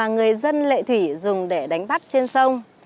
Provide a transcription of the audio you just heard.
nguyên thủy dùng để đánh bắt trên sông